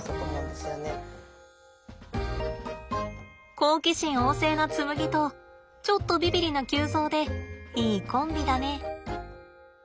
好奇心旺盛のつむぎとちょっとビビりな臼三でいいコンビだね。